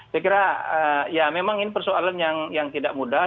saya kira ya memang ini persoalan yang tidak mudah